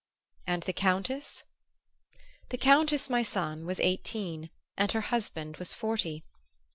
And the Countess ? The Countess, my son, was eighteen, and her husband was forty.